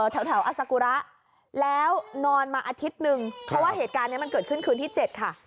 แถวอาสากุระแล้วนอนมาอาทิตย์หนึ่งเพราะว่าเหตุการณ์นี้มันเกิดขึ้นคืนที่๗ค่ะ